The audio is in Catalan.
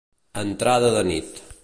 A entrada de nit.